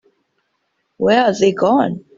Where are they gone?